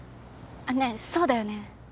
ねえそうだよね？